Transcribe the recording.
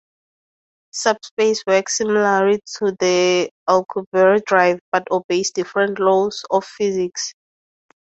Subspace works similarly to the Alcubierre Drive, but obeys different laws of physics.